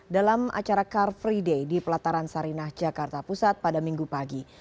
dalam acara car free day di pelataran sarinah jakarta pusat pada minggu pagi